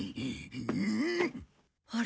あれ？